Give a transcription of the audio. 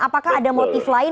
apakah ada motif lain